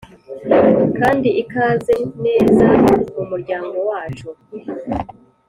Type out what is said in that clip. kandi ikaze neza mu muryango wacu.